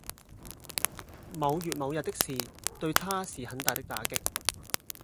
某月某日的事對他是很大的打擊